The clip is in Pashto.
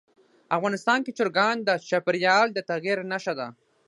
افغانستان کې چرګان د چاپېریال د تغیر نښه ده.